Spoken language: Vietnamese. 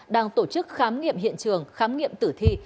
đang tổ chức khám nghiệm hiện trường khám nghiệm tử thi